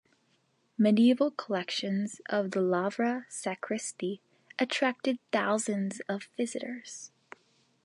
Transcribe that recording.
Medieval collections of the Lavra sacristy attracted thousands of visitors.